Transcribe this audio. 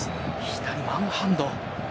左ワンハンド。